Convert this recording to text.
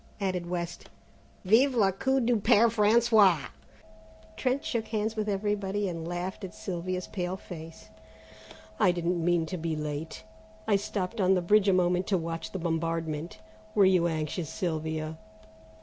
added West; "vive le coup du Père François!" Trent shook hands with everybody and laughed at Sylvia's pale face. "I didn't mean to be late; I stopped on the bridge a moment to watch the bombardment. Were you anxious, Sylvia?"